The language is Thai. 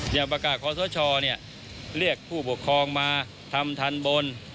อย่างประกาศคอสชเรียกผู้ปกครองมาทำทันบน